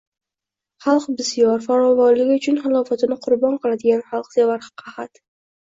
Xalq bisyor, farovonligi uchun halovatini qurbon qiladigan xalqsevar qahat;